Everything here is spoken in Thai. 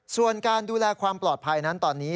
ส่วนการดูแลความปลอดภัยนั้นตอนนี้